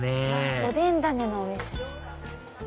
おでんダネのお店。